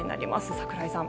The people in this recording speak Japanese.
櫻井さん。